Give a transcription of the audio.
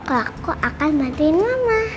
aku akan bantuin mama